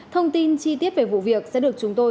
thông tin chi tiết về vụ việc sẽ được chúng tôi